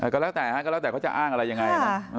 ก็แล้วแต่เขาจะอ้างอะไรยังไงนะ